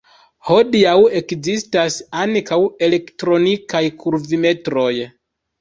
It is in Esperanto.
Hodiaŭ ekzistas ankaŭ elektronikaj kurvimetroj.